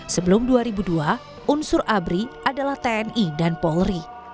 sebelum dua ribu dua unsur abri adalah tni dan polri